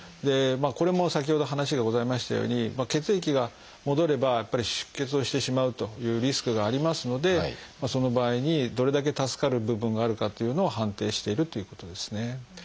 これも先ほど話がございましたように血液が戻ればやっぱり出血をしてしまうというリスクがありますのでその場合にどれだけ助かる部分があるかというのを判定しているっていうことですね。